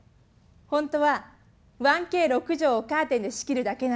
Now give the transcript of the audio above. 本当は１Ｋ６畳をカーテンで仕切るだけなの。